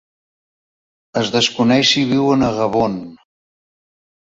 Es desconeix si viuen a Gabon.